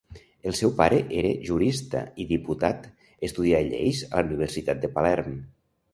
El seu pare era jurista i diputat, estudià lleis a la Universitat de Palerm.